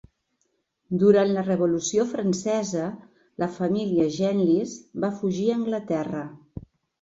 Durant la Revolució francesa, la família Genlis va fugir a Anglaterra.